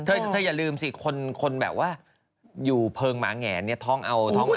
เธออย่าลืมสิคนแบบว่าอยู่เพลิงหมาแงนเนี่ยท้องเอาท้องห